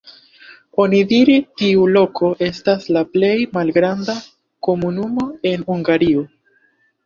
Onidire tiu loko estas la plej malgranda komunumo en Hungario.